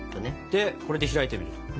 でこれで開いてみる。